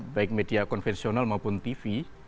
baik media konvensional maupun tv